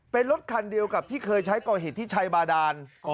เป็นรถคันเดียวกับที่เคยใช้ก่อเหตุที่ชัยบาดาน